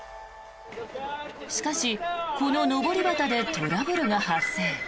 しかし、こののぼり旗でトラブルが発生。